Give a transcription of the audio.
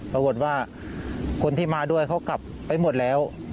ปรากฏว่าคนที่มาด้วยเขากลับไปหมดแล้ว